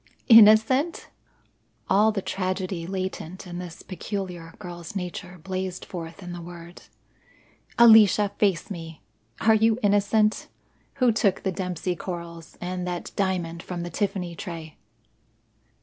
"Innocent!" All the tragedy latent in this peculiar girl's nature blazed forth in the word. "Alicia, face me. Are you innocent? Who took the Dempsey corals, and that diamond from the Tiffany tray?"